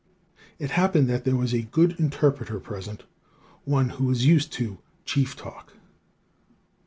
It happened that there was a good interpreter present one who was used to 'chief talk.'